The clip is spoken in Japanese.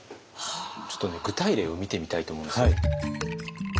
ちょっとね具体例を見てみたいと思うんですけど。